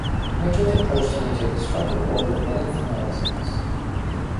Mitchell's approach to music struck a chord with many female listeners.